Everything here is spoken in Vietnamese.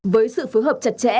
với sự phối hợp chặt chẽ